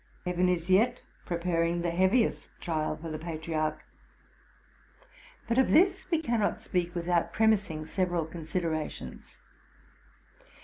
Heaven is yet preparing the heaviest trial for the patriarch. But of this we cannot speak without premising several considerations.